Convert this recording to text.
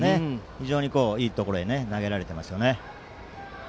非常にいいところへ投げられていますね。